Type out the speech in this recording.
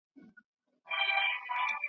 خپل که پردي دي، دلته پلونه وینم .